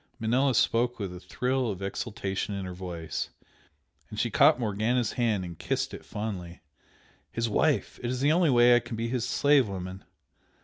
Manella spoke with a thrill of exultation in her voice, and she caught Morgana's hand and kissed it fondly "His wife! It is the only way I can be his slave woman!